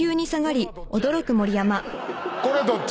これどっち？